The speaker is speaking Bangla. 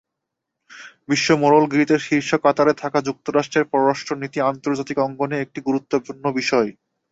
বিশ্ব মোড়লগিরিতে শীর্ষ কাতারে থাকা যুক্তরাষ্ট্রের পররাষ্ট্রনীতি আন্তর্জাতিক অঙ্গনে একটি গুরুত্বপূর্ণ বিষয়।